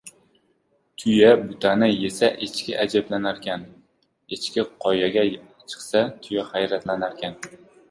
• Tuya butani yesa echki ajablanarkan, echki qoyaga chiqsa tuya hayratlanarkan.